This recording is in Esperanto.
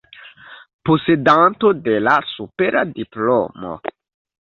Posedanto de la supera diplomo.